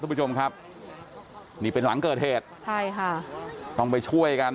คุณผู้ชมครับนี่เป็นหลังเกิดเหตุใช่ค่ะต้องไปช่วยกัน